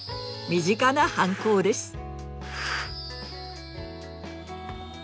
身近な反抗です。